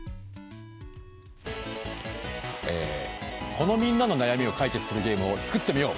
このみんなの悩みを解決するゲームを創ってみよう！